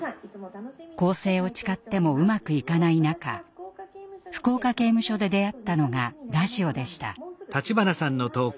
更生を誓ってもうまくいかない中福岡刑務所で出会ったのがラジオでした。